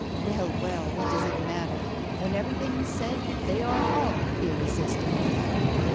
'Well, well, what does it matter? When everything's said, they are all irresistible.